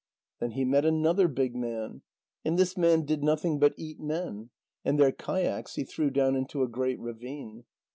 Then he met another big man, and this man did nothing but eat men, and their kayaks he threw down into a great ravine.